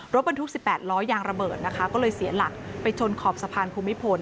รถบรรทุก๑๘ล้อยางระเบิดนะคะก็เลยเสียหลักไปชนขอบสะพานภูมิพล